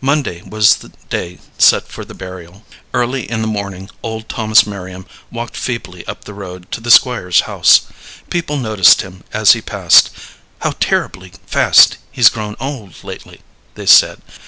Monday was the day set for the burial. Early in the morning old Thomas Merriam walked feebly up the road to the Squire's house. People noticed him as he passed. "How terribly fast he's grown old lately!" they said.